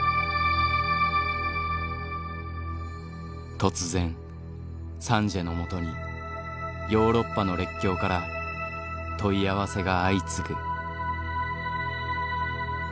突然サンジエのもとにヨーロッパの列強から問い合わせが相次ぐ。